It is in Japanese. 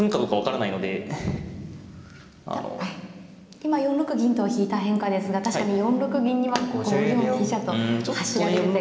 今４六銀と引いた変化ですが確かに４六銀には５四飛車と走られる手が。